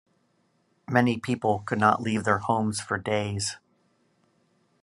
Many people could not leave their homes for days.